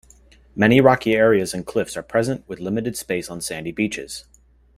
Many rocky areas and cliffs are present, with limited space on sandy beaches.